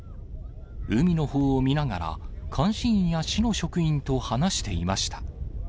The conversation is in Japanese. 海のほうを見ながら、監視員や市の職員と話していました。